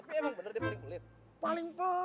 tapi emang bener dia paling pelit